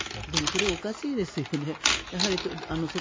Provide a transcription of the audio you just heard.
それはおかしいですよね。